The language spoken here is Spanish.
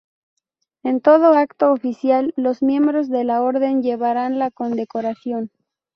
En todo acto oficial los miembros de la Orden llevarán la condecoración.